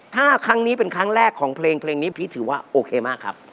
ถ้าครั้งนี้เป็นครั้งแรกของเพลงนี้พีชถือว่าโอเคมากครับ